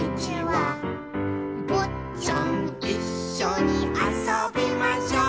「ぼっちゃんいっしょにあそびましょう」